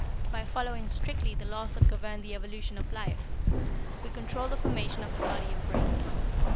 By following strictly the laws that govern the evolution of life, we control the formation of the body and brain.